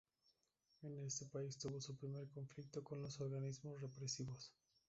En este país tuvo su primer conflicto con los organismos represivos.